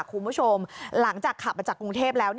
คุณผู้ชมหลังจากขับมาจากกรุงเทพแล้ว